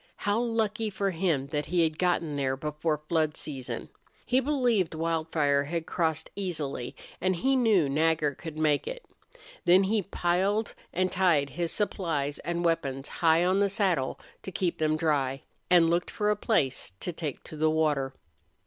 How lucky for him that he had gotten there before flood season! He believed Wildfire had crossed easily, and he knew Nagger could make it. Then he piled and tied his supplies and weapons high on the saddle, to keep them dry, and looked for a place to take to the water.